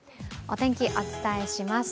お天気、お伝えします。